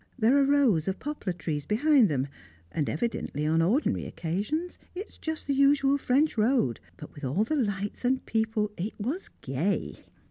There are rows of poplar trees behind them, and evidently on ordinary occasions it is just the usual French road, but with all the lights and people it was gay.